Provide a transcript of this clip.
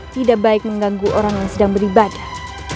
tidak baik mengganggu orang yang sedang beribadah